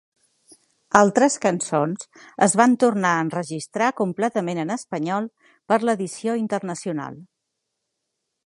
Altres cançons es van tornar a enregistrar completament en espanyol per a l'edició internacional.